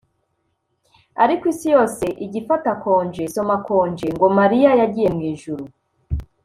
ariko Isi yose ijya ifata conge [soma konje] ngo Mariya yagiye mu ijuru